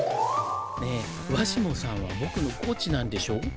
ねえわしもさんはぼくのコーチなんでしょ？